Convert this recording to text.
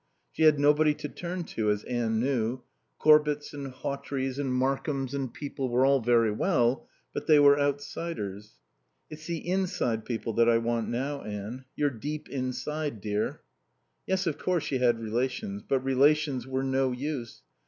She had nobody to turn to, as Anne knew. Corbetts and Hawtreys and Markhams and people were all very well; but they were outsiders. "It's the inside people that I want now, Anne. You're deep inside, dear." Yes, of course she had relations. But relations were no use.